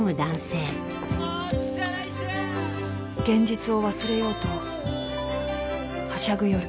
［現実を忘れようとはしゃぐ夜］